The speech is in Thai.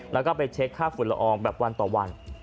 แล้วก็ไปเช็คค่าฝุ่นละอองแบบวันต่อวัน